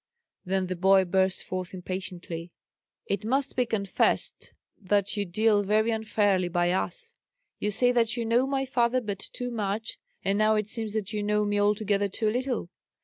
Then the boy burst forth, impatiently, "It must be confessed that you deal very unfairly by us! You say that you know my father but too much, and now it seems that you know me altogether too little.